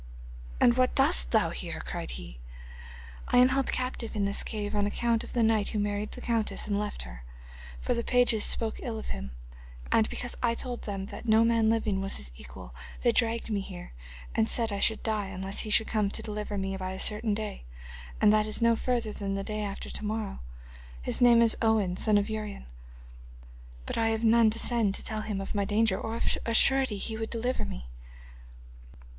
'And what dost thou here?' cried he. 'I am held captive in this cave on account of the knight who married the countess and left her, for the pages spoke ill of him, and because I told them that no man living was his equal they dragged me here and said I should die unless he should come to deliver me by a certain day, and that is no further than the day after to morrow. His name is Owen the son of Urien, but I have none to send to tell him of my danger, or of a surety he would deliver me.